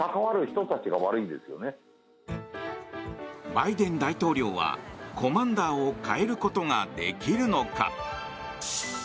バイデン大統領はコマンダーを変えることができるのか？